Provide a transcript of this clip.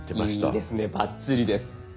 いいですねバッチリです。